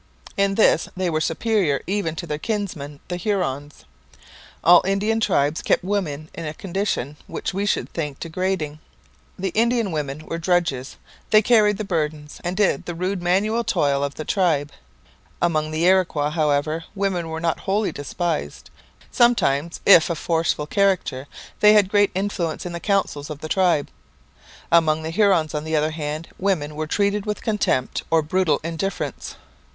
In this they were superior even to their kinsmen the Hurons. All Indian tribes kept women in a condition which we should think degrading. The Indian women were drudges; they carried the burdens, and did the rude manual toil of the tribe. Among the Iroquois, however, women were not wholly despised; sometimes, if of forceful character, they had great influence in the councils of the tribe. Among the Hurons, on the other hand, women were treated with contempt or brutal indifference.